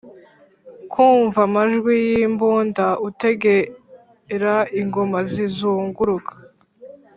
kumva amajwi yimbunda utegera ingoma zizunguruka